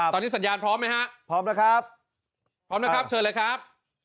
ตอนนี้สัญญาณพร้อมไหมฮะพร้อมแล้วครับพร้อมนะครับเชิญเลยครับ